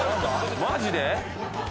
マジで？